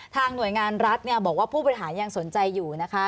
หน่วยงานรัฐบอกว่าผู้บริหารยังสนใจอยู่นะคะ